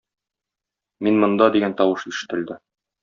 Мин монда! - дигән тавыш ишетелде.